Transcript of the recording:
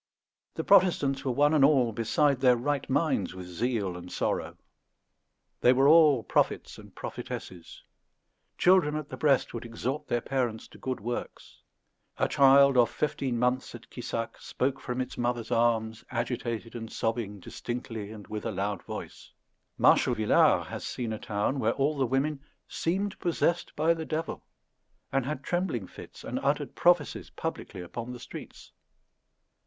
The Protestants were one and all beside their right minds with zeal and sorrow. They were all prophets and prophetesses. Children at the breast would exhort their parents to good works. "A child of fifteen months at Quissac spoke from its mother's arms, agitated and sobbing, distinctly and with a loud voice." Marshal Villars has seen a town where all the women "seemed possessed by the devil," and had trembling fits, and uttered prophecies publicly upon the streets.